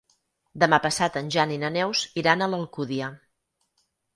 Demà passat en Jan i na Neus iran a l'Alcúdia.